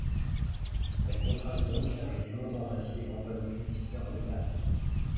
Elle contraste donc avec les montants en acier et grand panneaux publicitaires en métal.